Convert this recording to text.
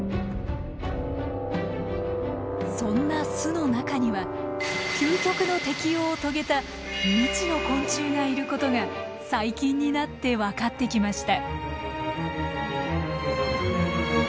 そんな巣の中には究極の適応を遂げた未知の昆虫がいることが最近になって分かってきました。